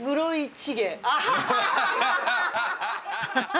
アハハハ！